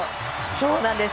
そうなんです。